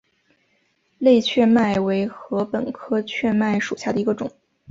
类雀麦为禾本科雀麦属下的一个种。